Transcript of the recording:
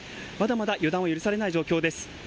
まだまだ予断を許さない状況です。